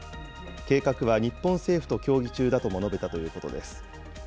計画は日本政府と協議中だとも述べたということです。